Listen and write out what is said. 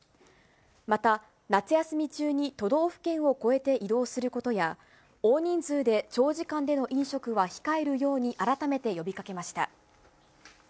また、夏休み中に都道府県を越えて移動することや、大人数で長時間での飲食は控えるように改めて呼びかけました。